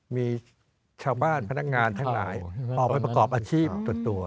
มีชาวบ้านพนักงานทั้งหลายออกไปประกอบอาชีพตัว